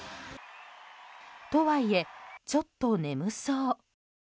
とはいえ、ちょっと眠そう。